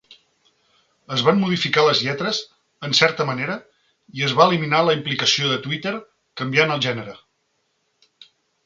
Es van modificar les lletres en certa manera i es va eliminar la implicació de Tweeter canviant el gènere.